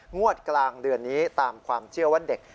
งวดกลางเดือนนี้ตามความเชื่อว่าเด็ก